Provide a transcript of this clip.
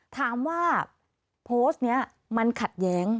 ถามว่าโพสต์นี้มันขัดแย้ง